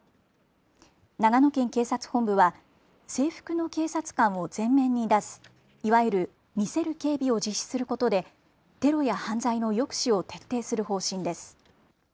長野県警察本部は制服の警察官を前面に出すいわゆる見せる警備を実施することでテロや犯罪の抑止を徹底する方針です。